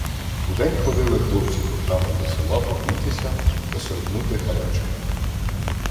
Удень ходили хлопці гуртами до села погрітися та сьорбнути гарячого.